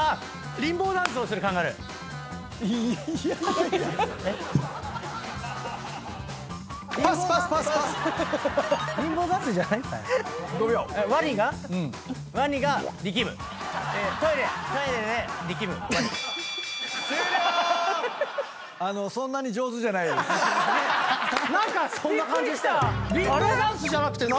リンボーダンスじゃなくて何なの？